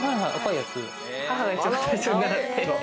母が一番最初に習って。